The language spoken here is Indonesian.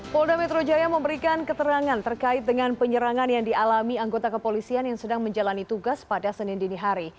polda metro jaya memberikan keterangan terkait dengan penyerangan yang dialami anggota kepolisian yang sedang menjalani tugas pada senin dinihari